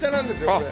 これ。